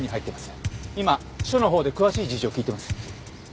今署のほうで詳しい事情を聴いてます。